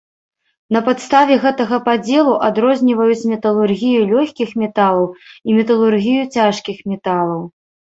На падставе гэтага падзелу адрозніваюць металургію лёгкіх металаў і металургію цяжкіх металаў.